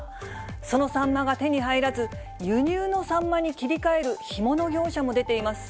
そのサンマが手に入らず、輸入のサンマに切り替える干物業者も出ています。